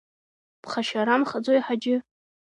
Ԥхашьарамхаӡои, Ҳаџьы?